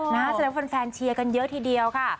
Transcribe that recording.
แสดงว่าแฟนเชียร์กันเยอะทีเดียวค่ะ